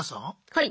はい！